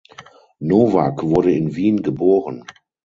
Novak wurde in Wien geboren.